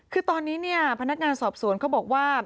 คือตอนนี้เนี่ยพนักงานสอบสวนเขาบอกว่า